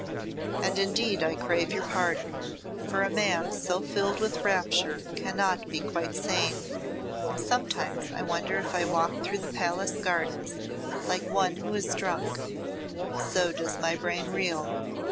And indeed I crave your pardon, for a man so filled with rapture cannot be quite sane, and sometimes I wonder if I walk through the palace gardens like one who is drunk, so does my brain reel.